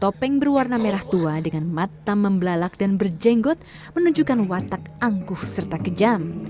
topeng berwarna merah tua dengan mata membelalak dan berjenggot menunjukkan watak angkuh serta kejam